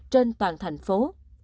trên toàn thành phố